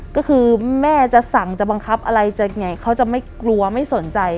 ก็คือแม่จะสั่งจะบังคับอะไรจะไงเขาจะไม่กลัวไม่สนใจ